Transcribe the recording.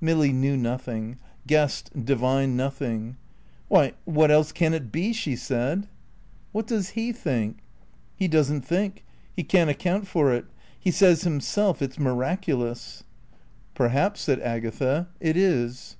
Milly knew nothing, guessed, divined nothing. "Why, what else can it be?" she said. "What does he think?" "He doesn't think. He can't account for it. He says himself it's miraculous." "Perhaps," said Agatha, "it is."